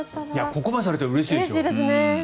ここまでされたらうれしいでしょう。